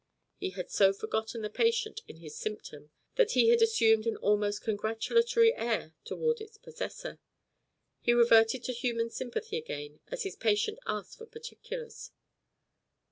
He had so forgotten the patient in his symptom, that he had assumed an almost congratulatory air towards its possessor. He reverted to human sympathy again, as his patient asked for particulars.